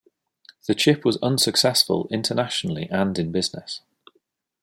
The chip was unsuccessful internationally and in business.